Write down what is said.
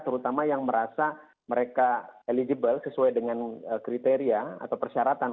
terutama yang merasa mereka eligible sesuai dengan kriteria atau persyaratan